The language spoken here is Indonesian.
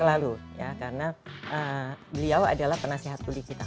selalu ya karena beliau adalah penasehat kuli kita